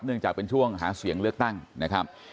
จากเป็นช่วงหาเสียงเลือกตั้งนะครับ